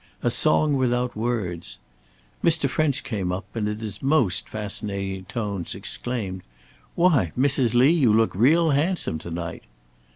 A song without words!" Mr. French came up and, in his most fascinating tones, exclaimed, "Why, Mrs. Lee, you look real handsome to night!"